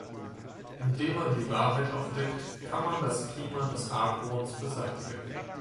Indem man die Wahrheit aufdeckt, kann man das Klima des Argwohns beseitigen.